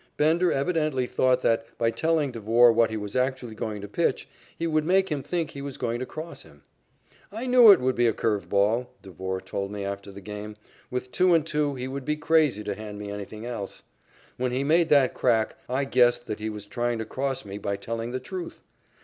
Bender evidently thought that, by telling Devore what he was actually going to pitch, he would make him think he was going to cross him. "I knew it would be a curve ball," Devore told me after the game. "With two and two, he would be crazy to hand me anything else. When he made that crack, I guessed that he was trying to cross me by telling the truth.